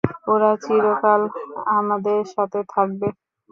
ওরা চিরকাল আমাদের সাথে থাকবে।